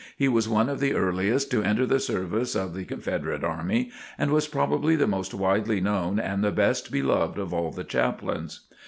He was one of the earliest to enter the service of the Confederate army, and was probably the most widely known and the best beloved of all the chaplains.